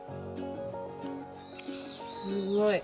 すごい。